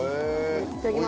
いただきます。